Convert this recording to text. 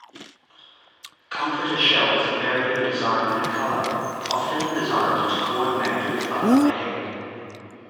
Comforter shells vary in design and color, often designed to coordinate with other bedding.